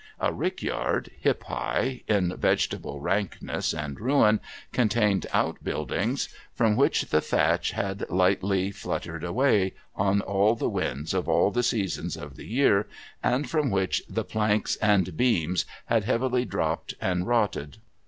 A rickyard, hip high in vegetable rankness and ruin, contained outbuildings, from which the thatch had lightly fluttered away, on all the winds of all the seasons of the year, and from which the planks and beams had heavily dropped and rotted.